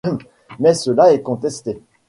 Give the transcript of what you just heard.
Mais cela est contesté.